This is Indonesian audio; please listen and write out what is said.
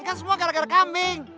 kan semua gara gara kambing